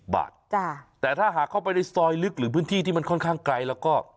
บาทแต่ถ้าหากเข้าไปในซอยลึกหรือพื้นที่ที่มันค่อนข้างไกลแล้วก็